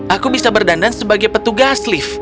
aku bisa berdandan sebagai petugas lift